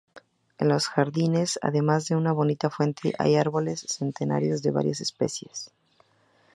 En los jardines además de una bonita fuente, hay árboles centenarios de varias especies.